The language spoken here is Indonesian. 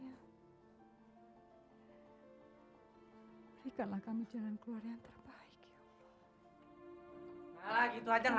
tapi belum sendsiki nah bubble stock